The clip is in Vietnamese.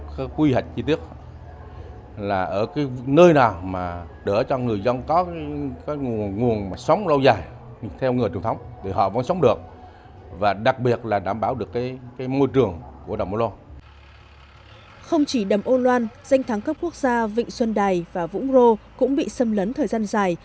không chỉ đầm ô loan danh tháng cấp quốc gia vịnh xuân đài và vũng rô cũng bị xâm lấn thời gian dài